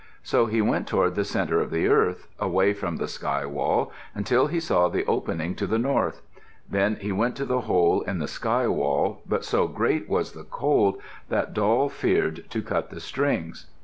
So he went toward the centre of the earth, away from the sky wall, until he saw the opening to the north. Then he went to the hole in the sky wall, but so great was the cold that Doll feared to cut the strings.